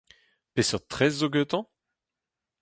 Peseurt tres zo gantañ ?